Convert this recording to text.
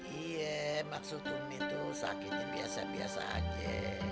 iye maksud ummi tuh sakitnya biasa biasa aja